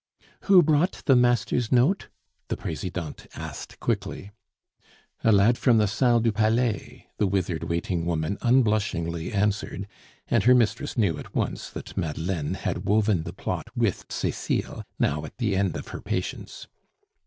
"Who brought the master's note?" the Presidente asked quickly. "A lad from the Salle du Palais," the withered waiting woman unblushingly answered, and her mistress knew at once that Madeleine had woven the plot with Cecile, now at the end of her patience.